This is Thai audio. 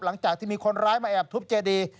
หลังจากที่มีคนร้ายมาแอบทุบเจดี